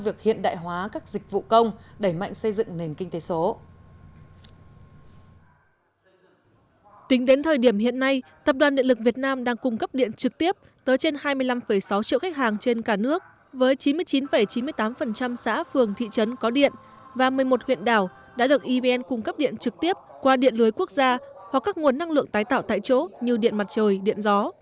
với thời điểm hiện nay tập đoàn điện lực việt nam đang cung cấp điện trực tiếp tới trên hai mươi năm sáu triệu khách hàng trên cả nước với chín mươi chín chín mươi tám xã phường thị trấn có điện và một mươi một huyện đảo đã được evn cung cấp điện trực tiếp qua điện lưới quốc gia hoặc các nguồn năng lượng tái tạo tại chỗ như điện mặt trời điện gió